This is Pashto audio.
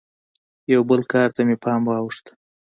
یوه بل کار ته مې پام واوښت.